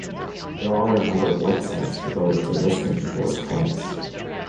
There are a number of websites devoted to listing people as cranks.